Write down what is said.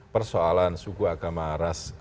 persoalan suku agama ras